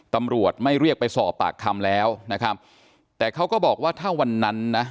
ตำรวจไม่เรียกไปสอบปากคำแล้วนะครับแต่เขาก็บอกว่าถ้าวันนั้นนะ